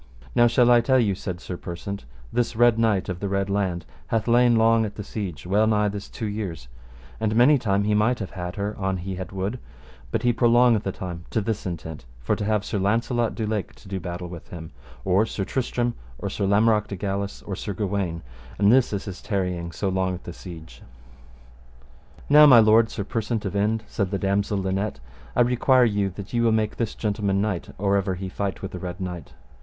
Now shall I tell you, said Sir Persant, this Red Knight of the Red Laund hath lain long at the siege, well nigh this two years, and many times he might have had her an he had would, but he prolongeth the time to this intent, for to have Sir Launcelot du Lake to do battle with him, or Sir Tristram, or Sir Lamorak de Galis, or Sir Gawaine, and this is his tarrying so long at the siege. Now my lord Sir Persant of Inde, said the damosel Linet, I require you that ye will make this gentleman knight or ever he fight with the Red Knight.